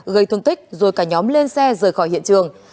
gây thương tích rồi cả nhóm lên xe rời khỏi hiện trường